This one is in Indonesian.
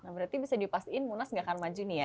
nah berarti bisa dipastiin munas nggak akan maju nih ya